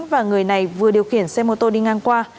và người này vừa điều khiển xe mô tô đi ngang qua